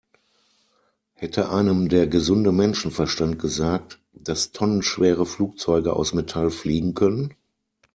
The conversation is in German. Hätte einem der gesunde Menschenverstand gesagt, dass tonnenschwere Flugzeuge aus Metall fliegen können?